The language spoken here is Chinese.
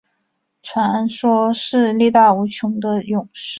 传说是力大无穷的勇士。